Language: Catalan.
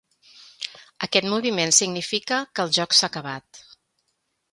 Aquest moviment significa que el joc s'ha acabat.